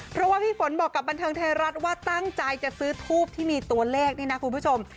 เพราะว่าพี่ฝนบอกกับบันเทิงไทยรัฐว่าตั้งใจจะซื้อทูปที่มีตัวเลขนี่นะคุณผู้ชม